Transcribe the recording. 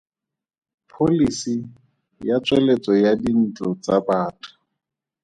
Pholisi ya Tsweletso ya Dintlo tsa Batho.